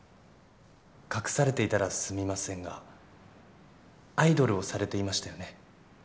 隠されていたらすみませんがアイドルをされていましたよね。